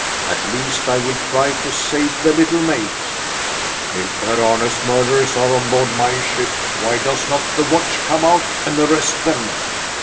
At least I will try to save the little maid." "If Herr Arne's murderers are on board my ship, why does not the watch come out and arrest them?"